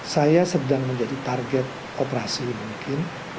saya sedang menjadi target operasi mungkin